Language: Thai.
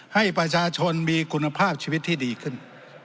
ให้ประชาชนมีคุณภาพชีวิตที่ดีขึ้น